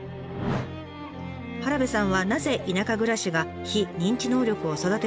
原部さんはなぜ田舎暮らしが非認知能力を育てると考えるのか。